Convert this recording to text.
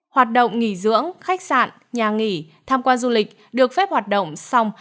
hoạt động nghỉ dưỡng khách sạn nhà nghỉ tham quan du lịch được phép hoạt động xong